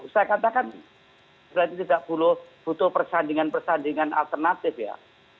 saya katakan berarti tidak butuh persandingan persandingan alternatif ya